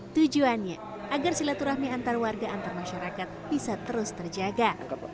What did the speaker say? tujuannya agar silaturahmi antar warga antar masyarakat bisa terus terjaga